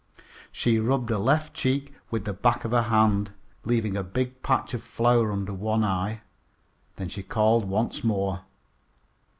She rubbed her left cheek with the back of her hand, leaving a big patch of flour under one eye. Then she called once more.